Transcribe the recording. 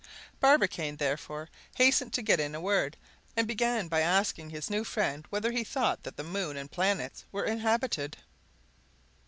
Barbicane, therefore, hastened to get in a word, and began by asking his new friend whether he thought that the moon and the planets were inhabited.